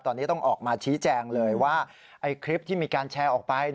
ตอนนี้ต้องออกมาชี้แจงเลยว่าคลิปที่มีการแชร์ออกไป